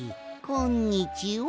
こんにちは！